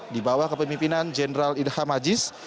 dibawah kepemimpinan jenderal idam aziz